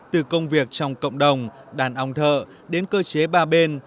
từ công việc trong cộng đồng đàn ong thợ đến cơ chế ba bên